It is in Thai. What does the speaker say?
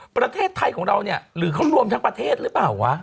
ประเทศไทยของเราเนี่ยหรือเขารวมทั้งประเทศหรือเปล่าวะ